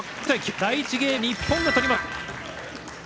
第１ゲームを日本が取りました。